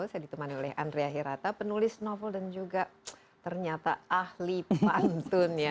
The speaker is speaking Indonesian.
saya ditemani oleh andrea hirata penulis novel dan juga ternyata ahli pantun ya